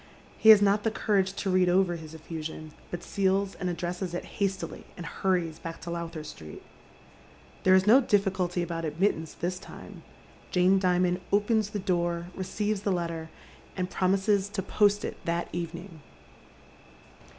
He haa not the courage to read over his effusion, but seals and addresses it hastily, and hurries back to Lowther Street. There is no diffi culty about admittance tliis time. Jane Dimond opens the door, receives the letter, and promises to post it that evening.